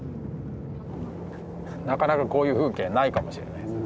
なかなかこういう風景ないかもしれないです。